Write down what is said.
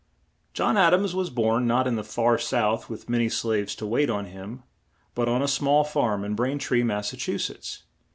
John Ad ams was born, not in the far South with ma ny slaves to wait on him, but on a small farm in Brain tree, Mass.